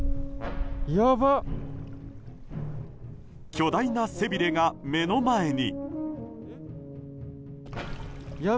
巨大な背びれが目の前に。